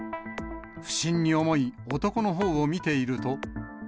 不審に思い、男のほうを見ていると。